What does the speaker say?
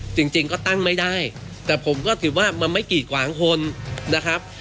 จริงจริงก็ตั้งไม่ได้แต่ผมก็ถือว่ามันไม่กีดขวางคนนะครับ